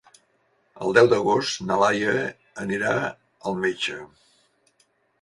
El deu d'agost na Laia anirà al metge.